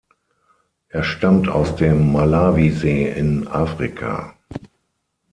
Er stammt aus dem Malawisee in Afrika.